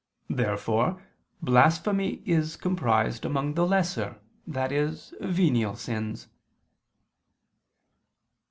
Therefore blasphemy is comprised among the lesser, i.e. venial, sins.